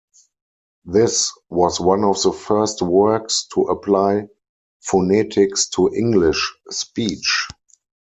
This was one of the first works to apply phonetics to English speech.